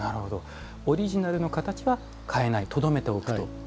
オリジナルの形は変えないとどめておくと。